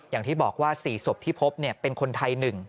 อย่างที่บอกว่า๔ศพที่พบเป็นคนไทย๑